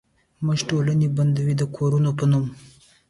موږ ټولې بندې دکورونو په نوم،